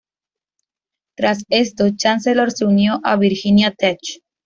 Tras esto, Chancellor se unió a Virginia Tech.